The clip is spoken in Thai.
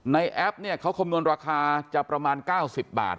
แอปเนี่ยเขาคำนวณราคาจะประมาณ๙๐บาท